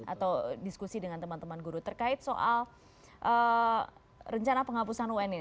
atau diskusi dengan teman teman guru terkait soal rencana penghapusan un ini